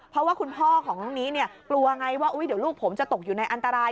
เพราะว่าคุณพ่อของน้องนี้กลัวไงว่าเดี๋ยวลูกผมจะตกอยู่ในอันตราย